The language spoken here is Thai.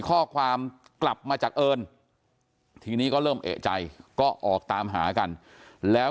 ข้อความกลับมาจากเอิญทีนี้ก็เริ่มเอกใจก็ออกตามหากันแล้ว